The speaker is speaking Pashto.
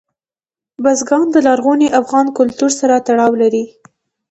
بزګان د لرغوني افغان کلتور سره تړاو لري.